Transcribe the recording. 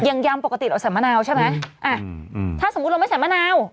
ยำปกติเราใส่มะนาวใช่ไหมอ่ะอืมถ้าสมมุติเราไม่ใส่มะนาว